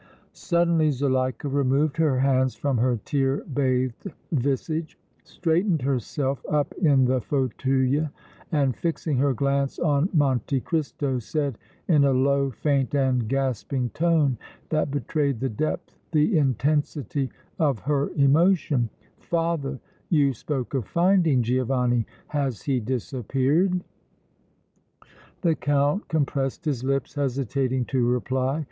Suddenly Zuleika removed her hands from her tear bathed visage, straightened herself up in the fauteuil and, fixing her glance on Monte Cristo, said, in a low, faint and gasping tone that betrayed the depth, the intensity, of her emotion: "Father, you spoke of finding Giovanni! Has he disappeared?" The Count compressed his lips, hesitating to reply.